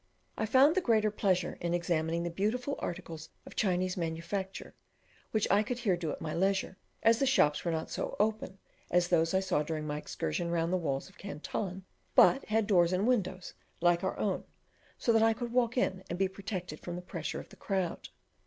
I found the greater pleasure in examining the beautiful articles of Chinese manufacture, which I could here do at my leisure, as the shops were not so open as those I saw during my excursion round the walls of Canton, but had doors and windows like our own, so that I could walk in and be protected from the pressure of the crowd.